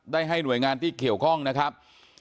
ได้ให้หน่วยงานที่เกี่ยวข้องนะครับ